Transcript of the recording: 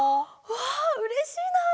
わあうれしいなあ！